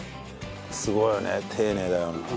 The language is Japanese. すごいよね丁寧だよなあ。